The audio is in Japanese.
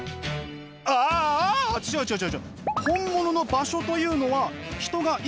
ああ違う違う違う違う。